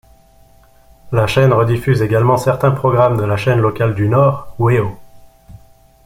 La chaine rediffuse également certains programmes de la chaine locale du Nord, Wéo.